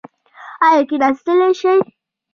ایا کیناستلی شئ؟